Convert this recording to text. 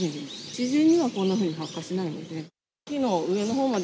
自然にはこんなふうに発火しないので。